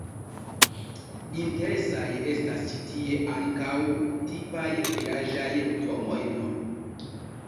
Interesaj estas ĉi tie ankaŭ tipaj vilaĝaj domoj nr.